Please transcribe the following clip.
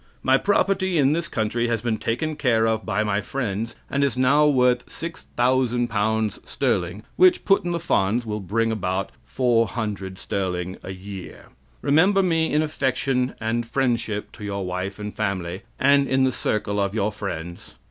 "My property in this country has been taken care of by my friends, and is now worth six thousand pounds sterling, which, put in the funds, will bring about L400 sterling a year. "Remember me in affection and friendship to your wife and family, and in the circle of your friends.